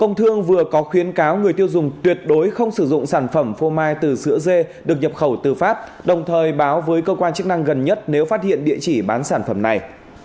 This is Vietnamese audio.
bộ thương vừa có khuyến cáo người tiêu dùng tuyệt đối không sử dụng sản phẩm phô mai từ sữa dê được nhập khẩu từ pháp đồng thời báo với cơ quan chức năng gần nhất nếu phát hiện địa chỉ bán sản phẩm này